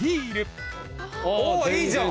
おおいいじゃん！